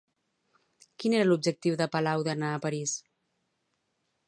Quin era l'objectiu de Palau d'anar a París?